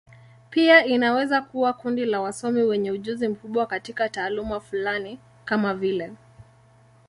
Pia inaweza kuwa kundi la wasomi wenye ujuzi mkubwa katika taaluma fulani, kama vile.